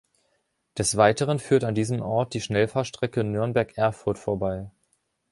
Des Weiteren führt an diesem Ort die Schnellfahrstrecke Nürnberg–Erfurt vorbei.